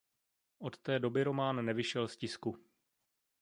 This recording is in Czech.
Od té doby román nevyšel z tisku.